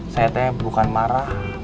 saya bukan marah